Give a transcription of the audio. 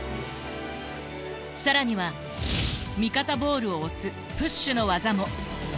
更には味方ボールを押すプッシュの技も。